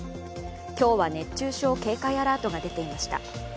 今日は熱中症警戒アラートが出ていました。